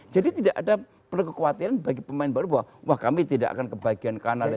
jadi tidak ada kekhawatiran bagi pemain baru bahwa wah kami tidak akan kebagian kanalnya